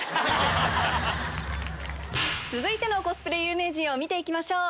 続いてのコスプレ有名人を見て行きましょう！